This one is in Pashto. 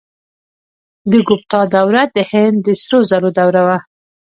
د ګوپتا دوره د هند د سرو زرو دوره وه.